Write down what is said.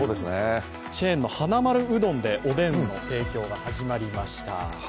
チェーンのはなまるうどんでおでんの提供が始まりました。